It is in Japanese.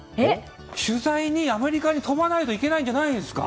取材に、アメリカに飛ばなきゃいけないんじゃないんですか？